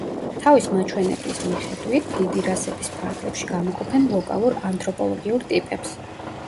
თავის მაჩვენებელის მიხედვით დიდი რასების ფარგლებში გამოყოფენ ლოკალურ ანთროპოლოგიურ ტიპებს.